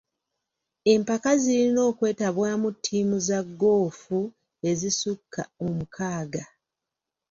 Empaka zirina okwetabwamu ttiimu za goofu ezisukka omukaaga.